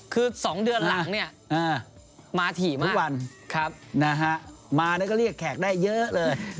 คือ๒เดือนหลังเนี่ยมาถี่ทุกวันมาแล้วก็เรียกแขกได้เยอะเลย